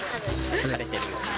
晴れてるうちに。